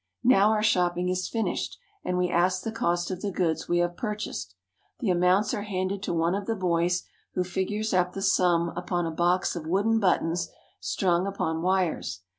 Now our shopping is finished, and we ask the cost of the goods we have purchased. The amounts are handed to one of the boys, who figures up the sum upon a box of wooden but tons strung upon wires.